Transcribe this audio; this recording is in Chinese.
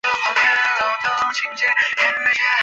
叶锡安曾任孖士打律师行主席及首席合夥人。